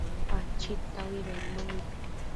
Pachid taui bednu nid